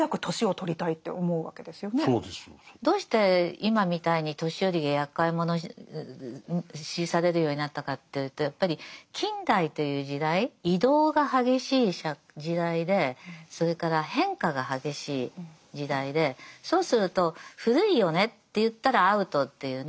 そうですよ。どうして今みたいに年寄りがやっかい者視されるようになったかというとやっぱり近代という時代移動が激しい時代でそれから変化が激しい時代でそうすると古いよねっていったらアウトっていうね。